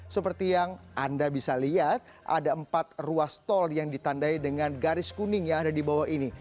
seperti yang anda bisa lihat ada empat ruas tol yang ditandai dengan garis kuning yang ada di bawah ini